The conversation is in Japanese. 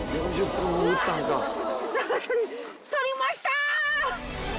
取りました！